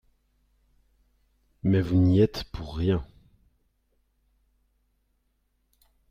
Mais vous n’y êtes pour rien